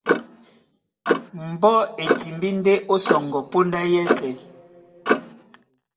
Ndé mbɔ́ e timbí ndé ó sɔŋgɔ póndá yɛ́sɛ̄.